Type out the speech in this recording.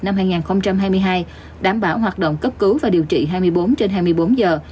năm hai nghìn hai mươi hai đảm bảo hoạt động cấp cứu và điều trị hai mươi bốn trên hai mươi bốn giờ